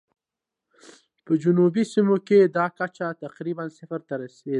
په جنوبي سیمو کې دا کچه تقریباً صفر ته رسېده.